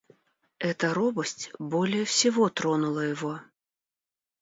Эта робость более всего тронула его.